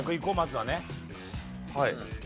はい。